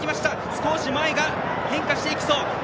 少し前が変化していきそう。